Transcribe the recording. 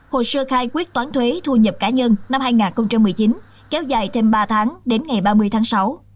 hồ sơ khai quyết toán thuế thu nhập cá nhân năm hai nghìn một mươi chín kéo dài thêm ba tháng đến ngày ba mươi tháng sáu